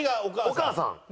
お母さん。